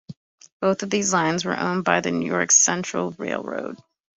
Both of these lines were owned by the New York Central Railroad.